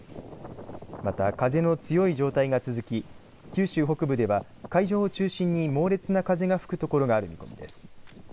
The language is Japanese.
また風の強い状態が続き九州北部では海上を中心に猛烈な風が吹くところがある見込みです。